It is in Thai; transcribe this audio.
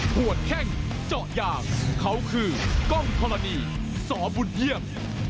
หัวแข้งเจาะยางเขาคือกล้องธรณีสบุญเยี่ยม